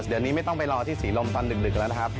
เดี๋ยวนี้ไม่ต้องไปรอที่ศรีลมตอนดึกแล้วนะครับ